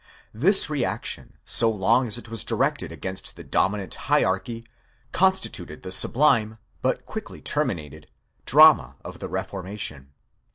This reaction, so long as it was directed against the dominant hierarchy, constituted the sublime, but quickly terminated, drama of the reformation.